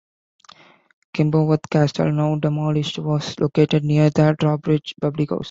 Kimberworth castle, now demolished, was located near The Drawbridge public house.